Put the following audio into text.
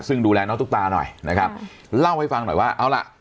ซึ่งดูแลน้องตุ๊กตาหน่อยนะครับเล่าให้ฟังหน่อยว่าเอาล่ะ